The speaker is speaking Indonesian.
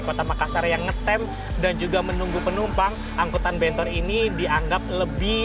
kota makassar yang ngetem dan juga menunggu penumpang angkutan bentor ini dianggap lebih